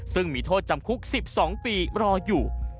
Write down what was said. ซึ่งมีโทษจำคุก๑๒ปีรออยู่